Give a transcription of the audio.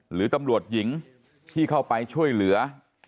หรือตำรวจหญิงที่เข้าไปช่วยเหลือ